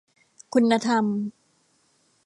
คุณธรรม